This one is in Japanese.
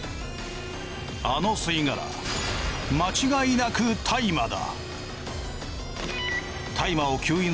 あの吸い殻間違いなく大麻だ！